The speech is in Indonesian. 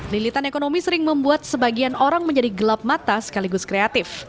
lilitan ekonomi sering membuat sebagian orang menjadi gelap mata sekaligus kreatif